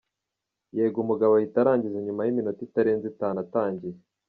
Yego umugabo ahita arangiza nyuma y’iminota itarenze itanu atangiye.